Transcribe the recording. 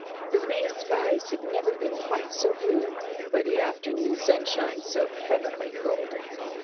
The May skies had never been quite so blue, or the afternoon sunshine so heavenly golden.